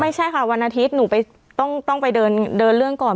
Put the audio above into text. ไม่ใช่ค่ะวันอาทิตย์หนูต้องไปเดินเรื่องก่อน